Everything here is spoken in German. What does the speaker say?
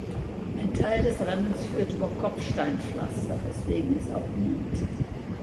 Ein Teil des Rennens führt über Kopfsteinpflaster, weswegen es auch nied.